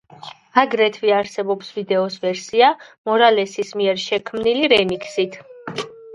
აგრეთვე არსებობს ვიდეოს ვერსია მორალესის მიერ შექმნილი რემიქსით.